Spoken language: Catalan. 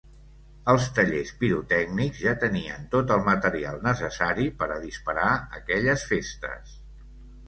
Els tallers pirotècnics ja tenien tot el material necessari per a disparar aquelles festes.